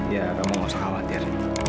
ya kamu nggak usah khawatir